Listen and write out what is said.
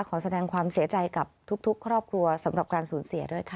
ขอแสดงความเสียใจกับทุกครอบครัวสำหรับการสูญเสียด้วยค่ะ